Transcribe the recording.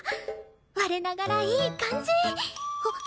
我ながらいい感じはっ！